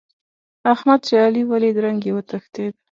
احمد چې علي وليد؛ رنګ يې وتښتېد.